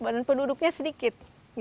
dan penduduknya sedikit